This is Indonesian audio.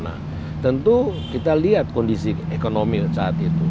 nah tentu kita lihat kondisi ekonomi saat itu